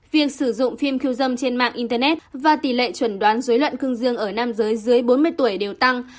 việc sử dụng phim khiêu dâm trên mạng internet và tỷ lệ chuẩn đoán dối loạn cương dương ở nam giới dưới bốn mươi tuổi đều tăng